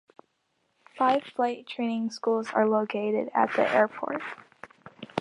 Five flight training schools are located at the airport.